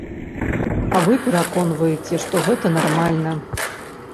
А вы пераконваеце, што гэта нармальна.